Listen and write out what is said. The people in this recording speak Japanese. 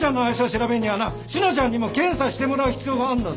調べるにはな志乃ちゃんにも検査してもらう必要があるんだぞ。